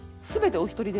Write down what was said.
お一人で？